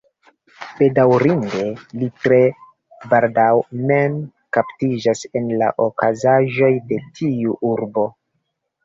Bedaŭrinde, li tre baldaŭ mem kaptiĝas en la okazaĵoj de tiu urbo.